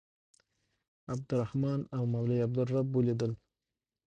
عبدالرحمن او مولوي عبدالرب ولیدل.